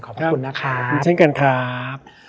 ขอบคุณนะครับเช่นกันครับ